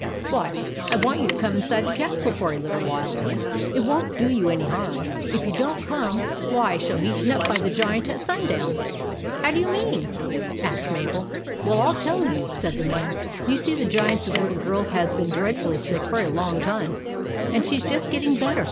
"Why, I want you to come inside the castle for a little while. It won't do you any harm; and if you don't come, why I THE GIANT'S CASTLE 165 shall be eaten up by the Giant at sun down/' " How do you mean ?" asked Mabel. " Well, 1 11 tell you," said the man. " You see the Giant's little girl has been dreadfully sick for a long time, and she 's just getting better.